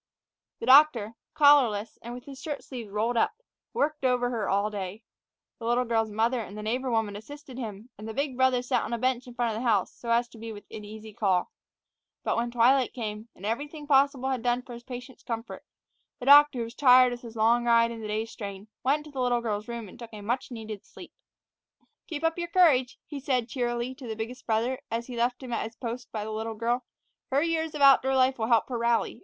The doctor, collarless and with his shirt sleeves rolled up, worked over her all day. The little girl's mother and the neighbor woman assisted him, and the big brothers sat on the bench in front of the house, so as to be within easy call. But when twilight came, and everything possible had been done for his patient's comfort, the doctor, who was tired with his long ride and the day's strain, went into the little girl's room and took a much needed sleep. "Keep up your courage," he said cheerily to the biggest brother, as he left him at his post by the little girl; "her years of outdoor life will help her rally.